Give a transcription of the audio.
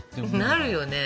なるよね。